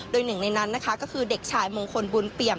โดยหนึ่งในนั้นนะคะก็คือเด็กชายมงคลบุญเปี่ยม